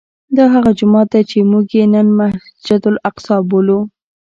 دا هغه جومات دی چې موږ یې نن ورځ مسجد الاقصی بولو.